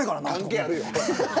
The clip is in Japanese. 関係あるよ。